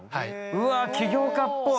うわ起業家っぽい。